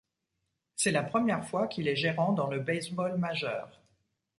C'est la première fois qu'il est gérant dans le baseball majeur.